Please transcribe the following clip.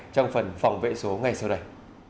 trong phần phòng vệ số ngay sau đây